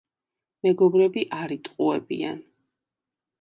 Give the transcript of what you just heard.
მეგობრები არ იტყუებიან.